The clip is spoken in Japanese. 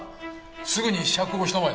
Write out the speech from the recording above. すぐに釈放したまえ。